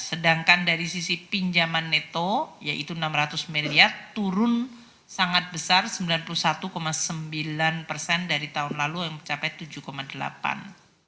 sedangkan dari sisi pinjaman neto yaitu rp enam ratus miliar turun sangat besar sembilan puluh satu sembilan persen dari tahun lalu yang mencapai rp tujuh delapan persen